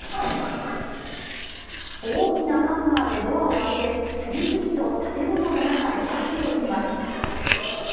大きなハンマーでドアを開け次々と建物の中へ入っていきます。